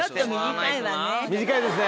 短いですね